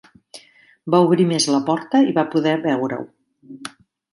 Va obrir més la porta i va poder veure-ho.